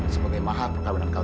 sebagai maha perkahwinan kalian